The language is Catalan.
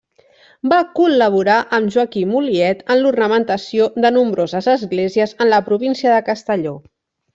Va col·laborar amb Joaquim Oliet en l'ornamentació de nombroses esglésies en la província de Castelló.